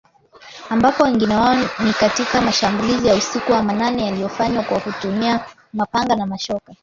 Ambapo wengi wao ni katika mashambulizi ya usiku wa manane yaliyofanywa kwa kutumia mapanga na mashoka.